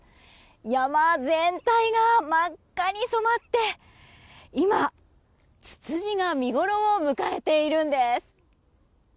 山全体が真っ赤に染まって今、ツツジが見ごろを迎えているんです。